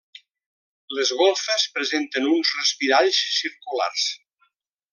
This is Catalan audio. Les golfes presenten uns respiralls circulars.